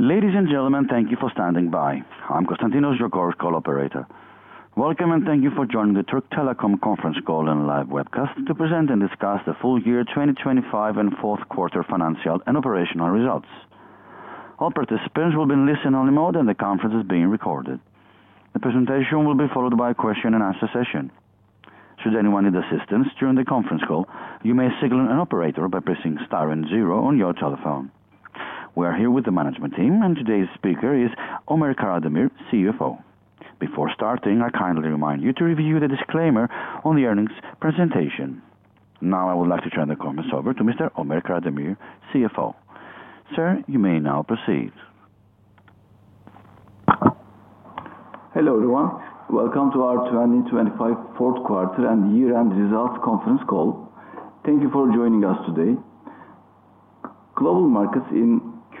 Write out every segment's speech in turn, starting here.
Ladies and gentlemen, thank you for standing by. I'm Constantinos, your core call operator. Welcome and thank you for joining the Türk Telekom conference call and live webcast to present and discuss the full year 2025 and fourth quarter financial and operational results. All participants will be in listen-only mode, and the conference is being recorded. The presentation will be followed by a question and answer session. Should anyone need assistance during the conference call, you may signal an operator by pressing star zero on your telephone. We are here with the management team, and today's speaker is Ömer Karademir, CFO. Before starting, I kindly remind you to review the disclaimer on the earnings presentation. I would like to turn the conference over to Mr. Ömer Karademir, CFO. Sir, you may now proceed. Hello, everyone. Welcome to our 2025 fourth quarter and year-end results conference call. Thank you for joining us today.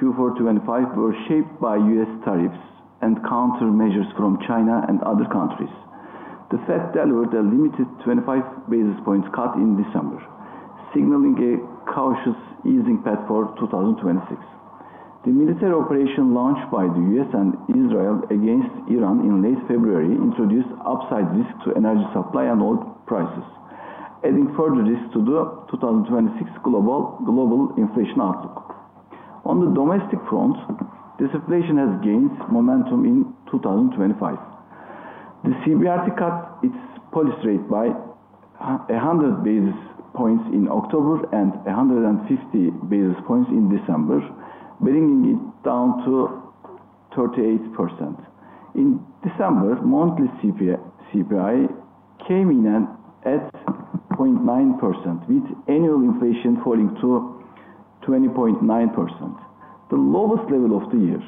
Global markets in Q4 2025 were shaped by U.S. tariffs and countermeasures from China and other countries. The Fed delivered a limited 25 basis points cut in December, signaling a cautious easing path for 2026. The military operation launched by the U.S. and Israel against Iran in late February introduced upside risks to energy supply and oil prices, adding further risks to the 2026 global inflation outlook. On the domestic front, disinflation has gained momentum in 2025. The CBRT cut its policy rate by 100 basis points in October and 150 basis points in December, bringing it down to 38%. In December, monthly CPI came in at 0.9%, with annual inflation falling to 20.9%, the lowest level of the year.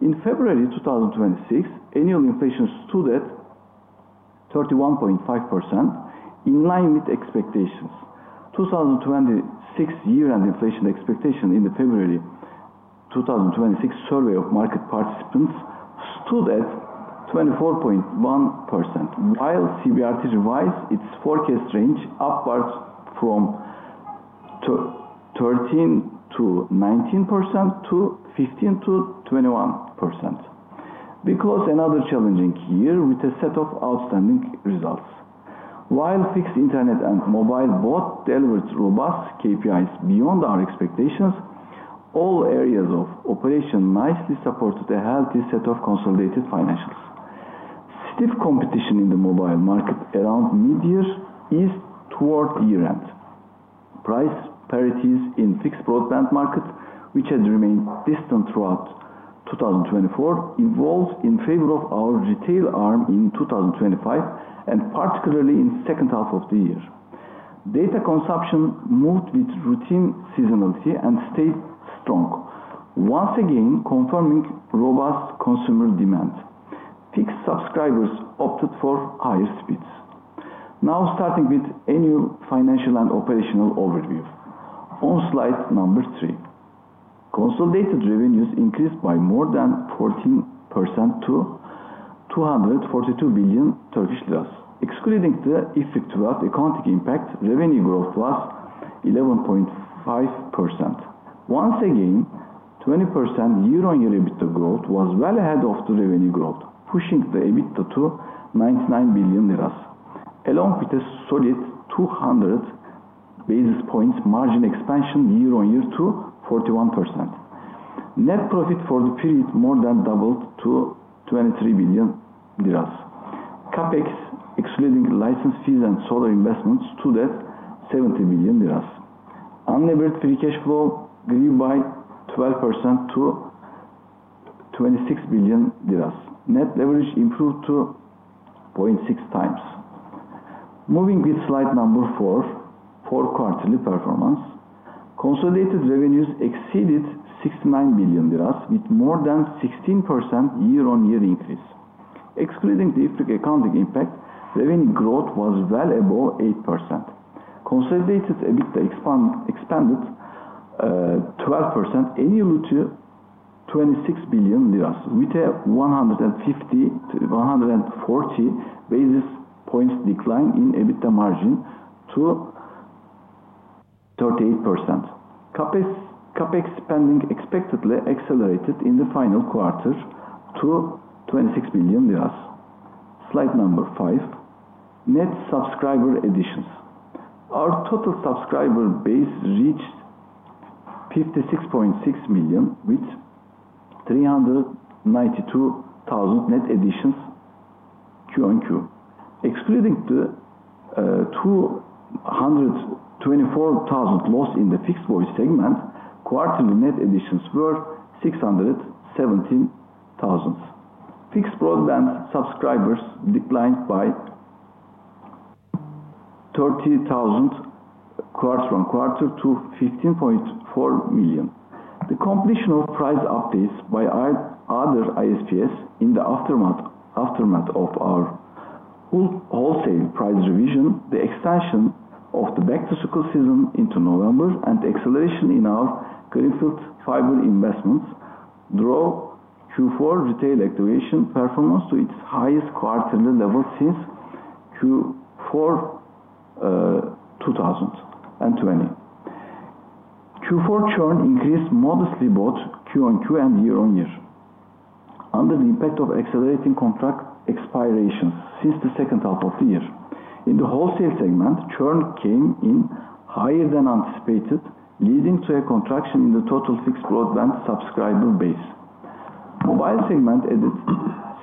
In February 2026, annual inflation stood at 31.5% in line with expectations. 2026 year-end inflation expectation in the February 2026 survey of market participants stood at 24.1%. CBRT revised its forecast range upwards from 13%-19% to 15%-21%. We closed another challenging year with a set of outstanding results. Fixed Internet and mobile both delivered robust KPIs beyond our expectations, all areas of operation nicely supported a healthy set of consolidated financials. Stiff competition in the mobile market around midyear eased toward year-end. Price parities in fixed broadband market, which had remained distant throughout 2024, evolved in favor of our retail arm in 2025, and particularly in second half of the year. Data consumption moved with routine seasonality and stayed strong, once again confirming robust consumer demand. Fixed subscribers opted for higher speeds. Starting with annual financial and operational overview. On slide number three, consolidated revenues increased by more than 14%-TRY 242 billion. Excluding the IFRIC 12 accounting impact, revenue growth was 11.5%. Once again, 20% year-on-year EBITDA growth was well ahead of the revenue growth, pushing the EBITDA to 99 billion lira, along with a solid 200 basis points margin expansion year-on-year to 41%. Net profit for the period more than doubled to 23 billion lira. CapEx, excluding license fees and solar investments, stood at 70 billion lira. Unlevered free cash flow grew by 12% to 26 billion lira. Net leverage improved to 0.6x. Moving with slide number four, quarterly performance. Consolidated revenues exceeded TRY 69 billion with more than 16% year-on-year increase. Excluding the IFRIC accounting impact, revenue growth was well above 8%. Consolidated EBITDA expanded 12% annually to TRY 26 billion with a 150-140 basis points decline in EBITDA margin to 38%. CapEx spending expectedly accelerated in the final quarter to 26 billion lira. Slide number five, net subscriber additions. Our total subscriber base reached 56.6 million with 392,000 net additions Q-on-Q. Excluding the 224,000 loss in the fixed voice segment, quarterly net additions were 617,000. Fixed broadband subscribers declined by 30,000 quarter on quarter to 15.4 million. The completion of price updates by other ISPs in the aftermath of our wholesale price revision, the extension of the back-to-school season into November, and the acceleration in our greenfield fiber investments drove Q4 retail activation performance to its highest quarterly level since Q4 2020. Q4 churn increased modestly both Q-on-Q and year on year under the impact of accelerating contract expirations since the second half of the year. In the wholesale segment, churn came in higher than anticipated, leading to a contraction in the total fixed broadband subscriber base. Mobile segment added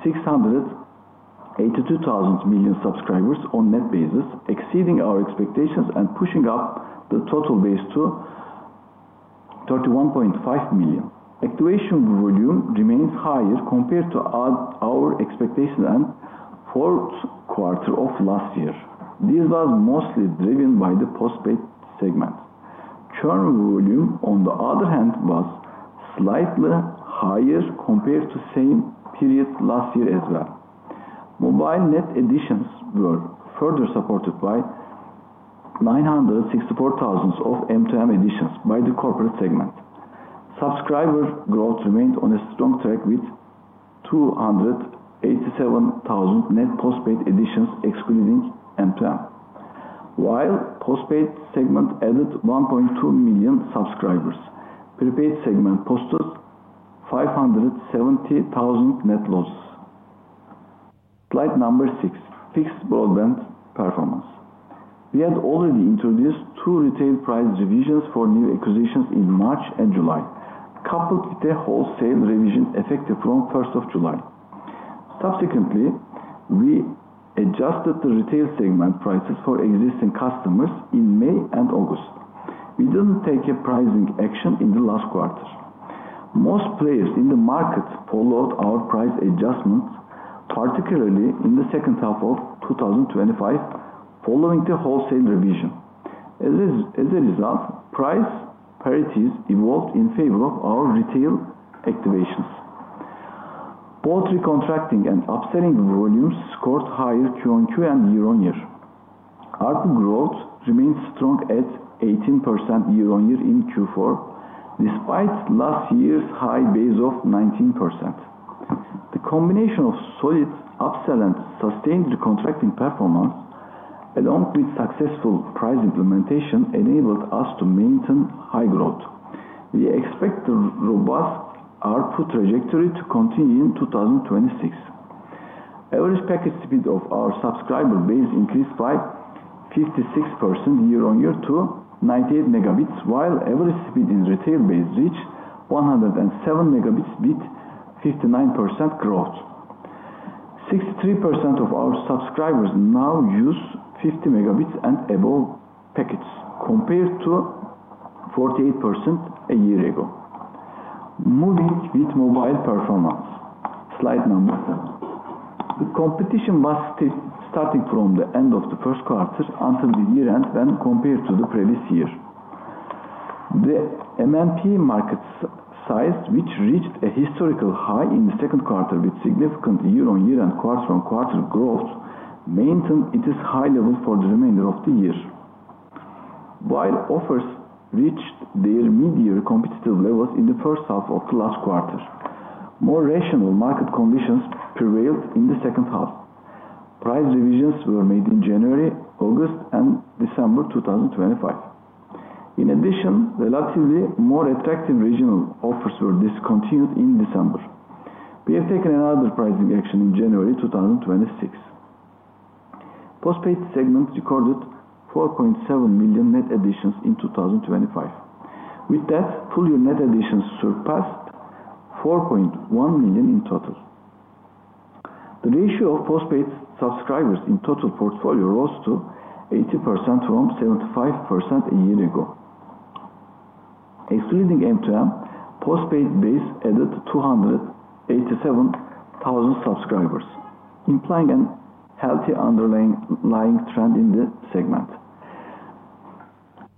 682,000 million subscribers on net basis, exceeding our expectations and pushing up the total base to 31.5 million. Activation volume remains higher compared to our expectation and fourth quarter of last year. This was mostly driven by the postpaid segment. Churn volume, on the other hand, was slightly higher compared to same period last year as well. Mobile net additions were further supported by 964,000 of MTM additions by the corporate segment. Subscriber growth remained on a strong track with 287,000 net postpaid additions excluding MTM. While postpaid segment added 1.2 million subscribers, prepaid segment posted 570,000 net loss. Slide number six, fixed broadband performance. We had already introduced two retail price revisions for new acquisitions in March and July, coupled with a wholesale revision effective from first of July. Subsequently, we adjusted the retail segment prices for existing customers in May and August. We didn't take a pricing action in the last quarter. Most players in the market followed our price adjustments, particularly in the second half of 2025 following the wholesale revision. As a result, price parities evolved in favor of our retail activations. Both recontracting and upselling volumes scored higher Q-on-Q and year-over-year. ARPU growth remained strong at 18% year-over-year in Q4, despite last year's high base of 19%. The combination of solid upsell and sustained recontracting performance, along with successful price implementation, enabled us to maintain high growth. We expect the robust ARPU trajectory to continue in 2026. Average package speed of our subscriber base increased by 56% year-on-year to 98 mb, while average speed in retail base reached 107 mb with 59% growth. 63% of our subscribers now use 50 mb and above packets compared to 48% a year ago. Moving with mobile performance. Slide number seven. The competition was starting from the end of the first quarter until the year-end when compared to the previous year. The MNP market size, which reached a historical high in the second quarter with significant year-on-year and quarter-on-quarter growth, maintained its high level for the remainder of the year. Offers reached their mid-year competitive levels in the first half of the last quarter, more rational market conditions prevailed in the second half. Price revisions were made in January, August, and December 2025. In addition, relatively more attractive regional offers were discontinued in December. We have taken another pricing action in January 2026. Postpaid segment recorded 4.7 million net additions in 2025. With that, full-year net additions surpassed 4.1 million in total. The ratio of postpaid subscribers in total portfolio rose to 80% from 75% a year ago. Excluding MTM, postpaid base added 287,000 subscribers, implying an healthy underlying trend in the segment.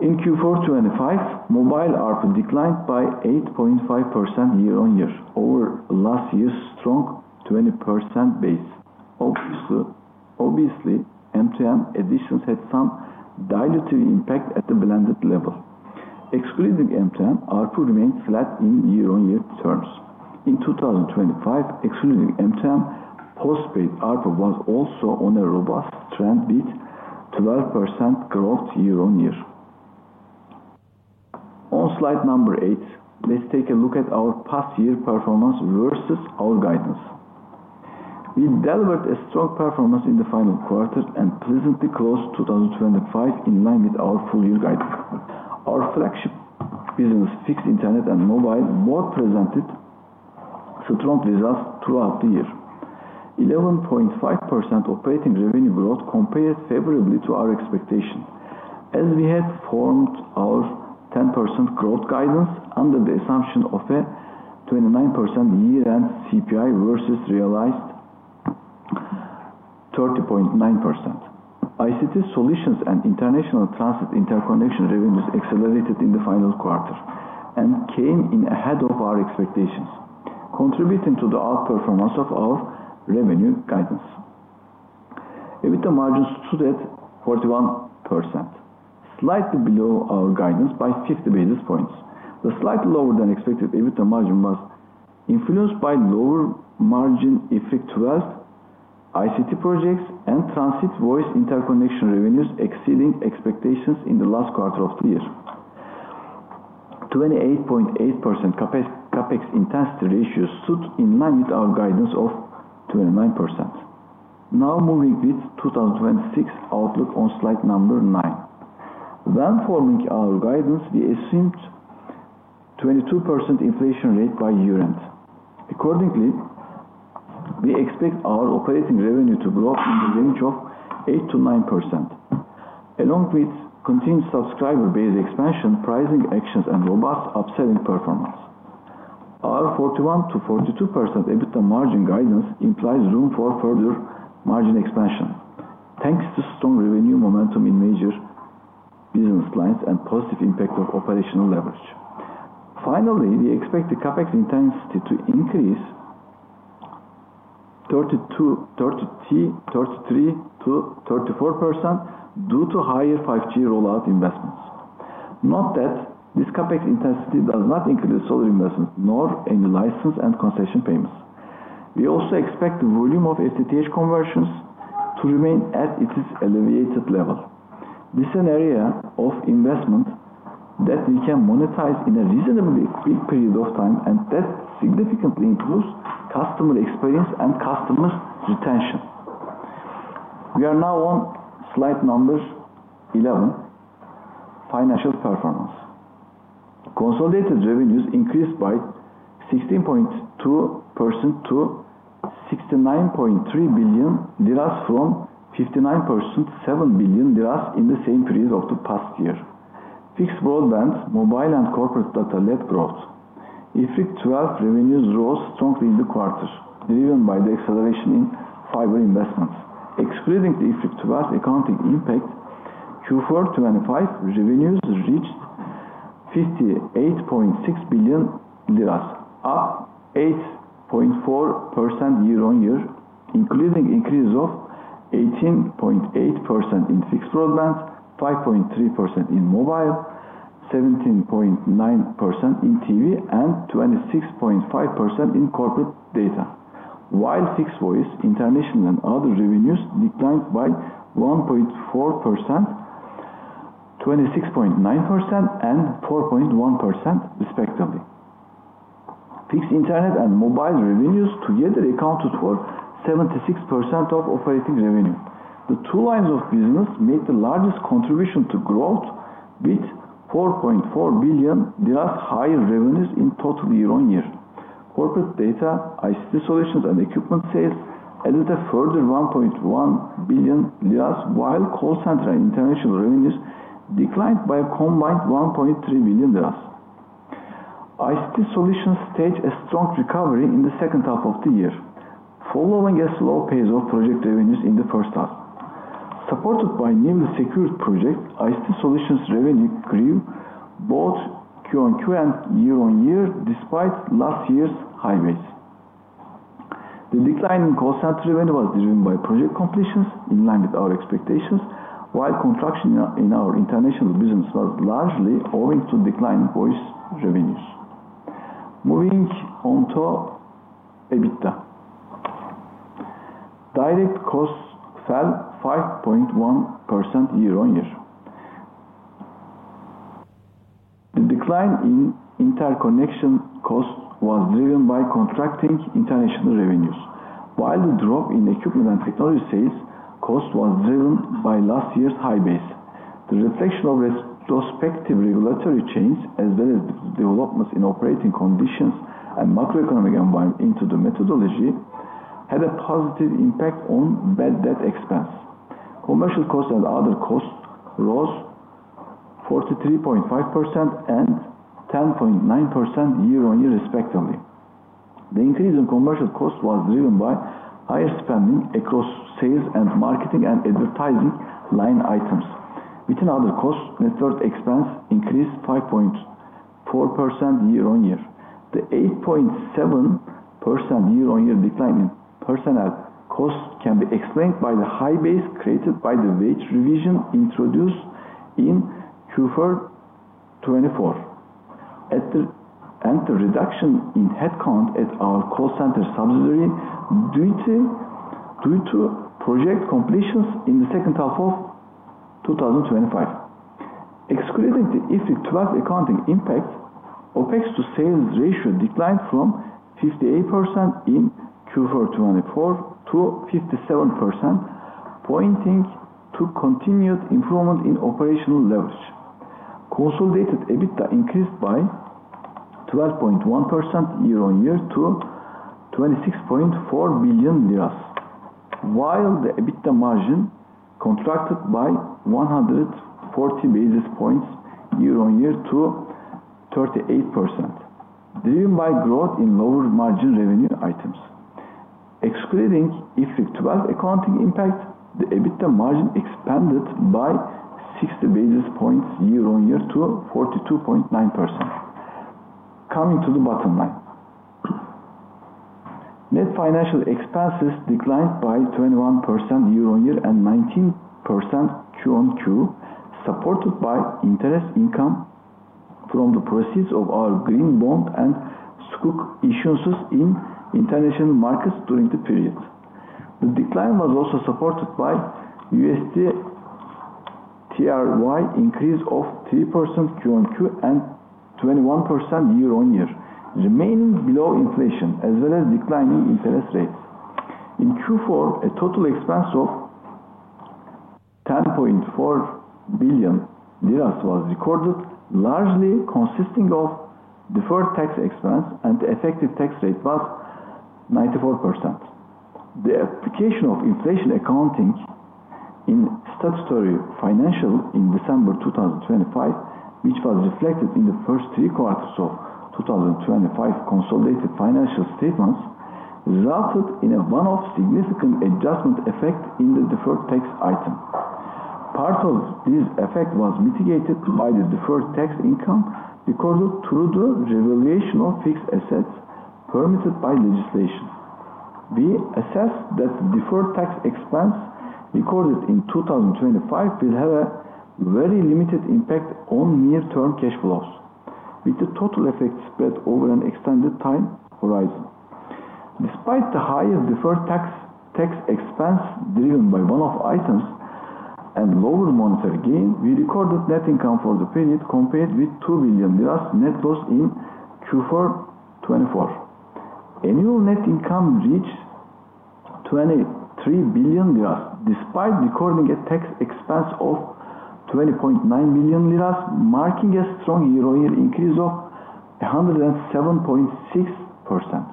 In Q4 2025, mobile ARPU declined by 8.5% year-on-year over last year's strong 20% base. Obviously, MTM additions had some dilutive impact at the blended level. Excluding MTM, ARPU remains flat in year-on-year terms. In 2025, excluding MTM, postpaid ARPU was also on a robust trend with 12% growth year-on-year. On slide number eight, let's take a look at our past year performance versus our guidance. We delivered a strong performance in the final quarter, pleasantly closed 2025 in line with our full year guidance. Our flagship business, fixed internet and mobile, both presented strong results throughout the year. 11.5% operating revenue growth compared favorably to our expectation, as we had formed our 10% growth guidance under the assumption of a 29% year-end CPI versus realized 30.9%. ICT solutions and international transit interconnection revenues accelerated in the final quarter, came in ahead of our expectations, contributing to the outperformance of our revenue guidance. EBITDA margin stood at 41%, slightly below our guidance by 50 basis points. The slightly lower than expected EBITDA margin was influenced by lower margin effect to us, ICT projects, and transit voice interconnection revenues exceeding expectations in the last quarter of the year. 28.8% CapEx intensity ratio stood in line with our guidance of 29%. Moving with 2026 outlook on slide number nine. When forming our guidance, we assumed 22% inflation rate by year end. Accordingly, we expect our operating revenue to grow in the range of 8%-9% along with continued subscriber base expansion, pricing actions, and robust upselling performance. Our 41%-42% EBITDA margin guidance implies room for further margin expansion, thanks to strong revenue momentum in major business lines and positive impact of operational leverage. We expect the CapEx intensity to increase 33%-34% due to higher 5G rollout investments. Note that this CapEx intensity does not include solar investments nor any license and concession payments. We also expect the volume of FTTH conversions to remain at its elevated level. This is an area of investment that we can monetize in a reasonably quick period of time, and that significantly improves customer experience and customer retention. We are now on slide 11, financial performance. Consolidated revenues increased by 16.2%-TRY 69.3 billion from 59%, TRY 7 billion in the same period of the past year. Fixed broadband, mobile and corporate data led growth. IFRIC 12 revenues rose strongly in the quarter, driven by the acceleration in fiber investments. Excluding the IFRIC 12 accounting impact, Q4 2025 revenues reached TRY 58.6 billion, up 8.4% year-on-year, including increases of 18.8% in fixed broadband, 5.3% in mobile, 17.9% in TV, and 26.5% in corporate data. While fixed voice, international and other revenues declined by 1.4%, 26.9%, and 4.1% respectively. Fixed internet and mobile revenues together accounted for 76% of operating revenue. The two lines of business made the largest contribution to growth with TRY 4.4 billion higher revenues in total year-on-year. Corporate data, ICT solutions and equipment sales added a further 1.1 billion lira, while call center and international revenues declined by a combined 1.3 billion lira. ICT solutions staged a strong recovery in the second half of the year, following a slow pace of project revenues in the first half. Supported by newly secured projects, ICT solutions revenue grew both Q-on-Q and year-on-year despite last year's high base. The decline in call center revenue was driven by project completions in line with our expectations, while contraction in our international business was largely owing to decline in voice revenues. Moving on to EBITDA. Direct costs fell 5.1% year-on-year. The decline in interconnection costs was driven by contracting international revenues. The drop in equipment and technology sales cost was driven by last year's high base. The reflection of retrospective regulatory change, as well as developments in operating conditions and macroeconomic environment into the methodology, had a positive impact on bad debt expense. Commercial costs and other costs rose 43.5% and 10.9% year-on-year respectively. The increase in commercial costs was driven by higher spending across sales and marketing and advertising line items. Within other costs, network expense increased 5.4% year-on-year. The 8.7% year-on-year decline in personnel costs can be explained by the high base created by the wage revision introduced in Q4 2024. The reduction in headcount at our call center subsidiary due to project completions in the second half of 2025. Excluding the IFRIC 12 accounting impact, OPEX to sales ratio declined from 58% in Q4 2024 to 57%, pointing to continued improvement in operational leverage. Consolidated EBITDA increased by 12.1% year-on-year to 26.4 billion lira. While the EBITDA margin contracted by 140 basis points year-on-year to 38%, driven by growth in lower margin revenue items. Excluding IFRIC 12 accounting impact, the EBITDA margin expanded by 60 basis points year-on-year to 42.9%. Coming to the bottom line. Net financial expenses declined by 21% year-on-year and 19% Q-on-Q, supported by interest income from the proceeds of our Green Bond and Sukuk issuances in international markets during the period. The decline was also supported by USDTRY increase of 3% Q-on-Q and 21% year-on-year, remaining below inflation as well as declining interest rates. In Q4, a total expense of 10.4 billion lira was recorded, largely consisting of deferred tax expense, and the effective tax rate was 94%. The application of inflation accounting in statutory financial in December 2025, which was reflected in the first three quarters of 2025 consolidated financial statements, resulted in a one-off significant adjustment effect in the deferred tax item. Part of this effect was mitigated by the deferred tax income recorded through the revaluation of fixed assets permitted by legislation. We assess that the deferred tax expense recorded in 2025 will have a very limited impact on near-term cash flows, with the total effect spread over an extended time horizon. Despite the higher deferred tax expense driven by one-off items and lower monetary gain, we recorded net income for the period compared with TRY 2 billion net loss in Q4 2024. Annual net income reached 23 billion lira despite recording a tax expense of 20.9 billion lira, marking a strong year-on-year increase of 107.6%.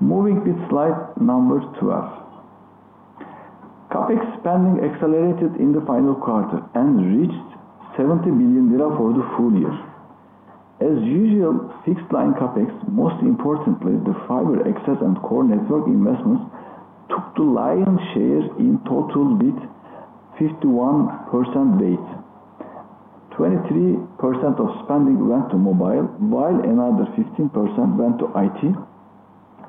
Moving with slide number 12. CapEx spending accelerated in the final quarter and reached 70 billion lira for the full year. As usual, fixed line CapEx, most importantly, the fiber access and core network investments took the lion's share in total with 51% weight. 23% of spending went to mobile, while another 15% went to IT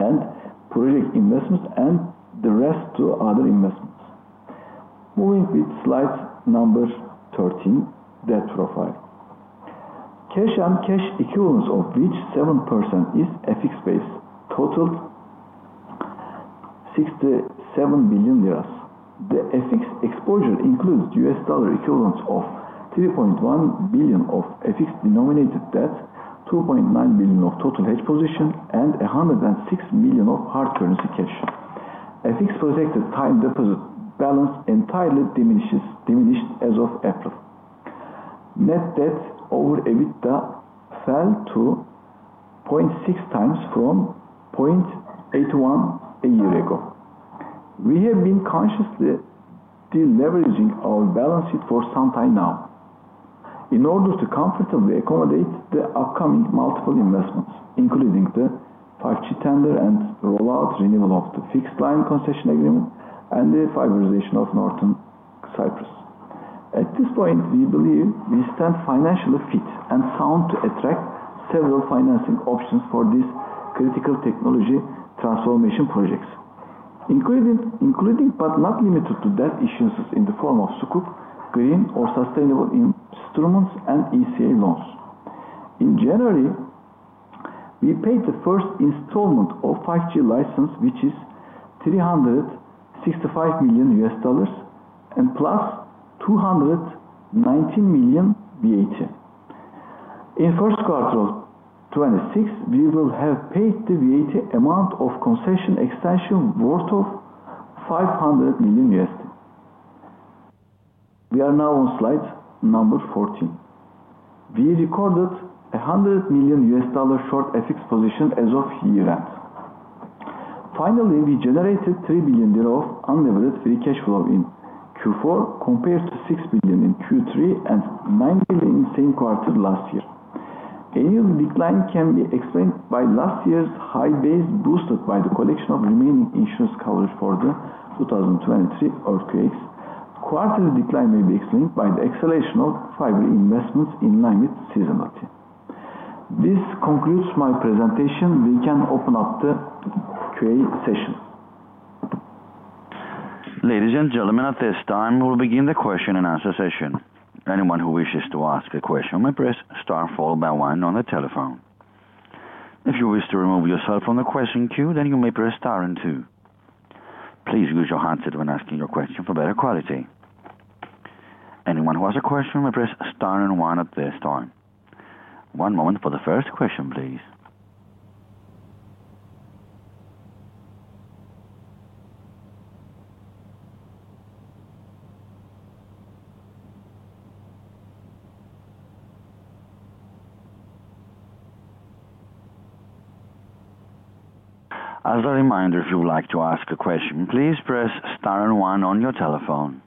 and project investments and the rest to other investments. Moving with slide number 13, debt profile. Cash and cash equivalents, of which 7% is FX-based, totaled 67 billion lira. The FX exposure includes US dollar equivalent of $3.1 billion of FX-denominated debt, $2.9 billion of total hedge position, and $106 million of hard currency cash. FX protected time deposit balance entirely diminished as of April. Net debt over EBITDA fell to 0.6x from 0.81x a year ago. We have been consciously deleveraging our balance sheet for some time now in order to comfortably accommodate the upcoming multiple investments, including the 5G tender and rollout renewal of the fixed line concession agreement and the fiberization of Northern Cyprus. At this point, we believe we stand financially fit and sound to attract several financing options for these critical technology transformation projects, including but not limited to debt issuances in the form of Sukuk, green or sustainable instruments, and ECA loans. In January, we paid the first installment of 5G license, which is $365 million and plus $290 million VAT. In Q1 2026, we will have paid the VAT amount of concession extension worth of $500 million. We are now on slide number 14. We recorded a $100 million short FX position as of year-end. Finally, we generated 3 billion lira of unlevered free cash flow in Q4 compared to 6 billion in Q3 and 9 billion in same quarter last year. Annual decline can be explained by last year's high base boosted by the collection of remaining insurance coverage for the 2023 earthquakes. Quarterly decline may be explained by the acceleration of fiber investments in line with seasonality. This concludes my presentation. We can open up the Q&A session. Ladies and gentlemen, at this time, we'll begin the question-and-answer session. Anyone who wishes to ask a question may press star followed by one on the telephone. If you wish to remove yourself from the question queue, then you may press star and two. Please use your handset when asking your question for better quality. Anyone who has a question may press star and one at this time. One moment for the first question, please. As a reminder, if you would like to ask a question, please press star and one on your telephone.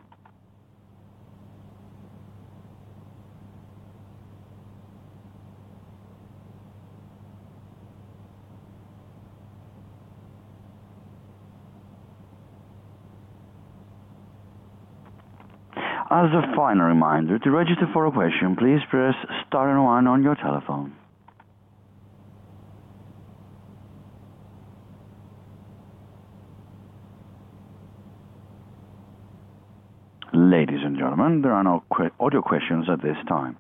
As a final reminder, to register for a question, please press star and one on your telephone. Ladies and gentlemen, there are no audio questions at this time.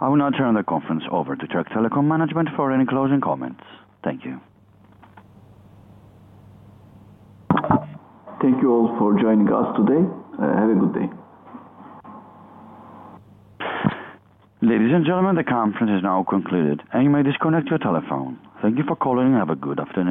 I will now turn the conference over to Türk Telekom management for any closing comments. Thank you. Thank you all for joining us today. Have a good day. Ladies and gentlemen, the conference is now concluded, and you may disconnect your telephone. Thank you for calling. Have a good afternoon.